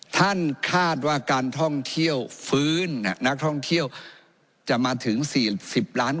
ท่านคาดว่าการท่องเที่ยวฟื้นนักท่องเที่ยวจะมาถึง๔๐ล้าน